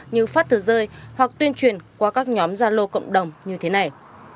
như phát tờ rơi hoặc tuyên truyền qua các nhóm gia lô cộng đồng như thế này